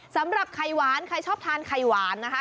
สำหรับไข่หวานใครชอบทานไข่หวานนะคะ